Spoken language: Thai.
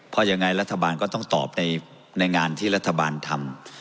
เพราะยังไงรัฐบาลก็ต้องตอบในงานที่รัฐบาลทำ